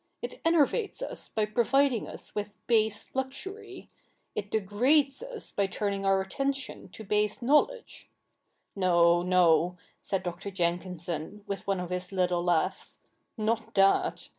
It enervates us by providing us with base luxury ; it degrades us by turning our attention to base knowledge ' No — no,' said Dr. Jenkinson, with one of his little laughs, ' not that.